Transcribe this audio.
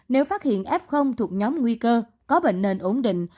nếu phát hiện f thuộc nhóm nguy cơ có bệnh nền ổn định